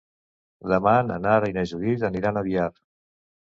Demà na Nara i na Judit aniran a Biar.